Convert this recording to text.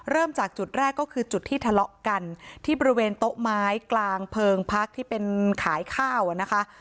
เริ่มจากจุดแรกก็คือจุดที่ทะเลาะกันที่บริเวณโต๊ะไม้กลางเพลิงพักที่เป็นขายข้าวอ่ะนะคะ